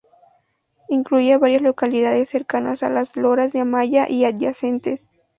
Incluía varias localidades cercanas a las loras de Amaya y adyacentes.